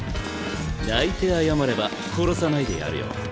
泣いて謝れば殺さないでやるよ。